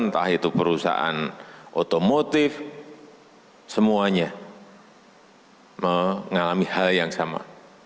entah itu perusahaan otomotif semuanya mengalami hal yang sama